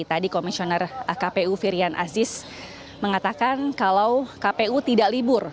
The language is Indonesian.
tadi komisioner kpu firian aziz mengatakan kalau kpu tidak libur